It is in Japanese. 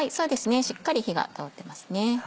しっかり火が通ってますね。